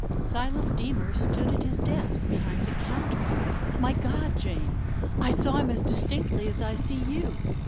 Silas Deemer stood at his desk behind the counter. My God, Jane, I saw him as distinctly as I see you.